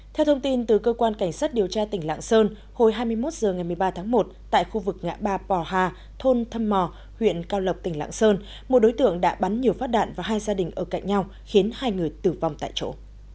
theo thông tin từ cơ quan cảnh sát điều tra tỉnh lạng sơn hồi hai mươi một h ngày một mươi ba tháng một tại khu vực ngã ba bò hà thôn thâm mò huyện cao lộc tỉnh lạng sơn một đối tượng đã bắn nhiều phát đạn và hai gia đình ở cạnh nhau khiến hai người tử vong tại chỗ